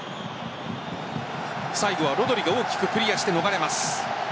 最後はロドリが大きくクリアして逃れます。